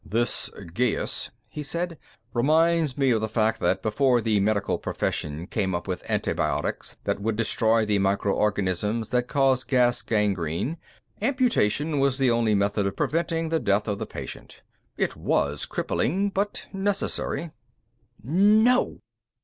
"This geas," he said, "reminds me of the fact that, before the medical profession came up with antibiotics that would destroy the microorganisms that cause gas gangrene, amputation was the only method of preventing the death of the patient. It was crippling, but necessary." "_No!